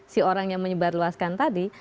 si orang yang menyebarluaskan tadi